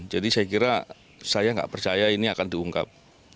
jadi saya kira saya tidak percaya ini akan diungkap